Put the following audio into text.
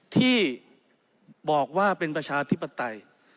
ที่บอกว่าเป็นประชาธิปไตย